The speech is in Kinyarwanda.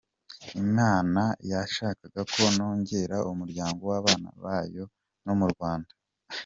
Imana yashakaga ko nongera umuryango w’abana bayo no mu Rwanda.